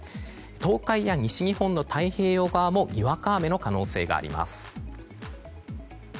東海や西日本の太平洋側もにわか雨の可能性があります。